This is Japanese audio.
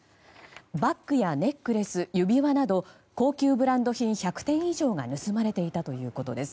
バッグやネックレス、指輪など高級ブランド品１００点以上が盗まれていたということです。